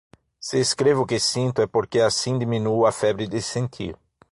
Se escrevo o que sinto é porque assim diminuo a febre de sentir.